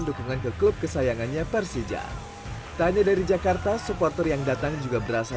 dukungan ke klub kesayangannya persija tanya dari jakarta supporter yang datang juga berasal